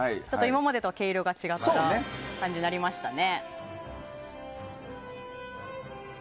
今までとは毛色が違った感じになりましたね。